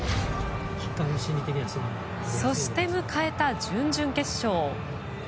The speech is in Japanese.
そして迎えた準々決勝。